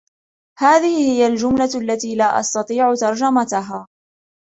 هذه هي الجملة التي لا أستطيع ترجمتها.